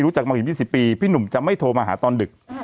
รู้จักมากกี่สิบปีพี่หนุ่มจะไม่โทรมาหาตอนดึก